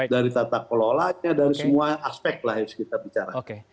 dari tata kelolanya dari semua aspek lah yang harus kita bicara